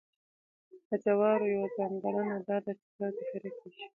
د جوارو یوه ځانګړنه دا ده چې ښه ذخیره کېږي.